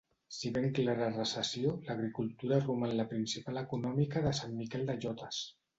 Si bé en clara recessió, l'agricultura roman la principal econòmica de Sant Miquel de Llotes.